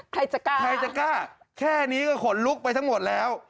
ใครจะกล้าใครจะกล้าแค่นี้ก็ขนลุกไปทั้งหมดแล้ว